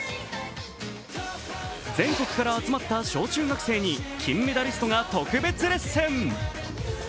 全国から集まった小中学生に金メダリストが特別レッスン。